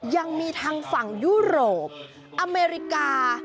ยังมีทางฝั่งยุโรปอเมริกา